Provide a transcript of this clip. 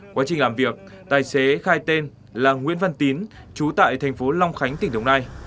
quá trình làm việc tài xế khai tên là nguyễn văn tín trú tại thành phố long khánh tỉnh đồng nai